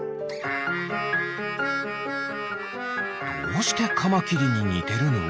どうしてカマキリににてるの？